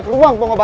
ke ruang pengobatan